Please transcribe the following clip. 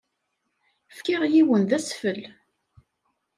Fkiɣ yiwen d asfel.